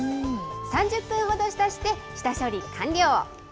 ３０分ほど浸して、下処理完了。